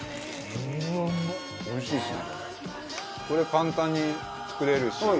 これ簡単に作れるし。